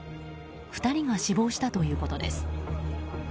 ２人が死亡したということです。